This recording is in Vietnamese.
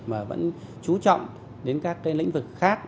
mà vẫn chú trọng đến các lĩnh vực khác